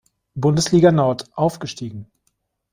Bundesliga Nord aufgestiegen.